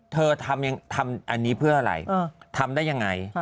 เธอทำอันนี้เพื่ออะไรทำได้ยังไง